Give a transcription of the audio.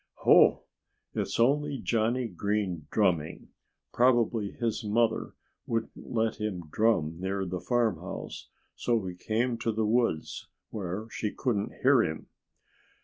"Ho! It's only Johnnie Green drumming. Probably his mother wouldn't let him drum near the farmhouse, so he came to the woods where she couldn't hear him."